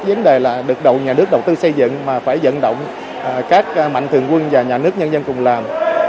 vấn đề là được đầu nhà nước đầu tư xây dựng mà phải dẫn động các mạnh thường quân và nhà nước nhân dân cùng làm